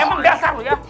emang dasar lo ya